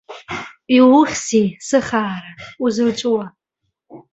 Иухьзеи, сыхаара, узырҵәуа?